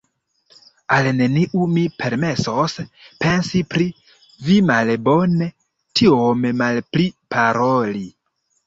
Al neniu mi permesos pensi pri vi malbone, tiom malpli paroli.